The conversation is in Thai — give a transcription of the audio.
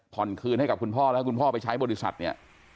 ผ่อนคืนให้กับคุณพ่อนะครับคุณพ่อไปใช้บริษัทเนี้ย